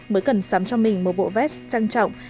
mới cần sắm cho mình một bộ vest trang trọng